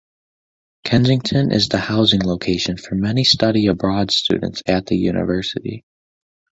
Kensington is the housing location for many study abroad students at the university.